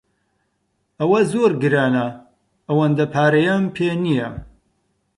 ئەوە زۆر گرانە، ئەوەندە پارەیەم پێ نییە.